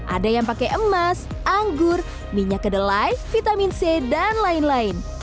ada yang pakai emas anggur minyak kedelai vitamin c dan lain lain